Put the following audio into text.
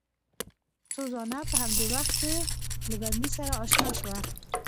سوزانا په همدې وخت کې له بندي سره اشنا شوه.